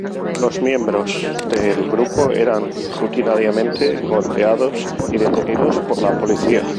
Los miembros del grupo eran rutinariamente golpeados y detenidos por la policía.